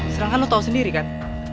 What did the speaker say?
sedangkan lo tau sendiri kan